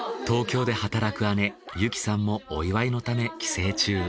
東京で働く姉由希さんもお祝いのため帰省中。